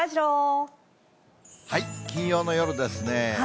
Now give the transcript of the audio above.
金曜の夜ですね。